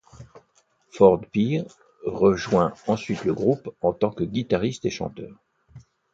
Ford Pier rejoint ensuite le groupe en tant que guitariste et chanteur.